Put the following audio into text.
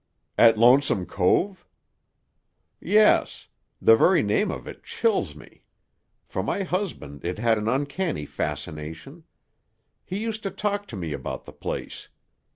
"At Lonesome Cove?" "Yes. The very name of it chills me. For my husband it had an uncanny fascination. He used to talk to me about the place.